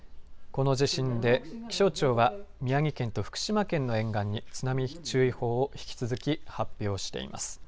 この地震で気象庁は宮城県と福島県の沿岸に津波注意報を引き続き発表しています。